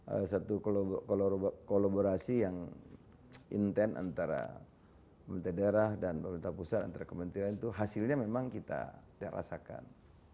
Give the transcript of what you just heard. ada satu kolaborasi yang intent antara pemerintah daerah dan pemerintah pusat antara kementerian itu hasilnya memang kita rasakan